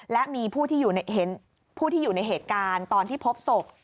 และมีผู้ที่อยู่ในเหตุการณ์ตอนที่พบศพ